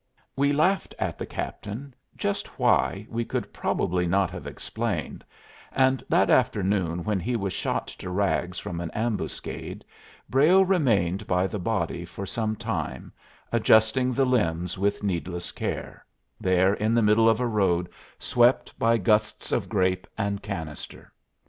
'" We laughed at the captain just why we could probably not have explained and that afternoon when he was shot to rags from an ambuscade Brayle remained by the body for some time, adjusting the limbs with needless care there in the middle of a road swept by gusts of grape and canister!